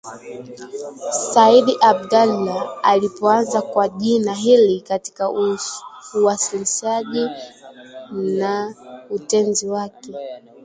Sayyid Abdallah anapoanza kwa jina hili katika uwasilishaji wa utenzi wake